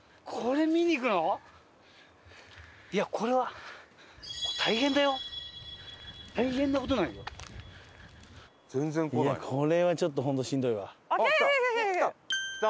いやこれは大変だよ？大変な事になるよ。これはちょっと本当しんどいわ。